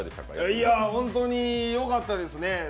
本当によかったですね。